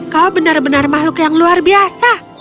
kau benar benar makhluk yang luar biasa